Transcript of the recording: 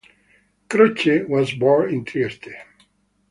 Croce was born in Trieste.